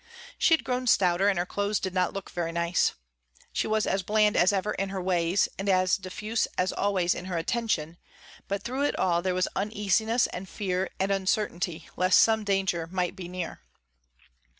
She had grown stouter and her clothes did not look very nice. She was as bland as ever in her ways, and as diffuse as always in her attention, but through it all there was uneasiness and fear and uncertainty lest some danger might be near.